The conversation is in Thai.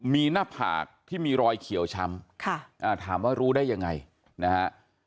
มีหน้าผากที่มีรอยเขียวช้ำถามว่ารู้ได้ยังไงนะฮะ